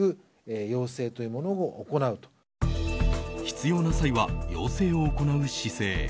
必要な際は要請を行う姿勢。